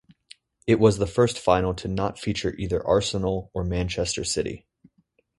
It was the first final to not feature either Arsenal or Manchester City.